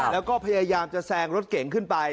แล้วก็พยายามจะแซงรถเก่งขึ้นไป